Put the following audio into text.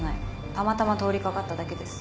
たまたま通り掛かっただけです。